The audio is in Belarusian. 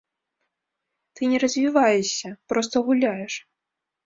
Ты не развіваешся, проста гуляеш.